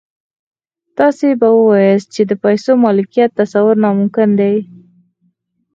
تاسې به واياست چې د پيسو د ملکيت تصور ناممکن دی.